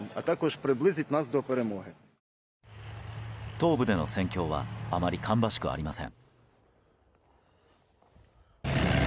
東部での戦況はあまり芳しくありません。